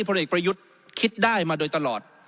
ผลเอกประยุทธ์คิดได้มาโดยตลอด